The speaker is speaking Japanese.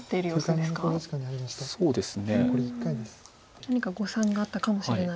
何か誤算があったかもしれない。